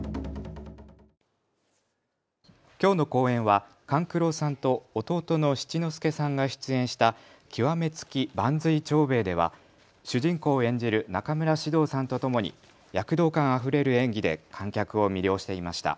きょうの公演は勘九郎さんと弟の七之助さんが出演した極付幡随長兵衛では主人公を演じる中村獅童さんとともに躍動感あふれる演技で観客を魅了していました。